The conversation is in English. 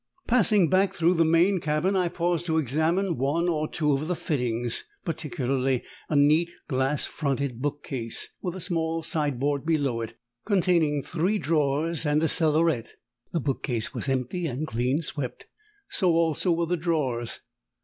Passing back through the main cabin I paused to examine one or two of the fittings particularly a neat glass fronted bookcase, with a small sideboard below it, containing three drawers and a cellaret. The bookcase was empty and clean swept; so also were the drawers.